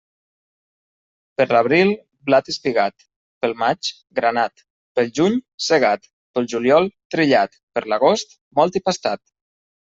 Per l'abril, blat espigat; pel maig, granat; pel juny, segat; pel juliol, trillat; per l'agost, mòlt i pastat.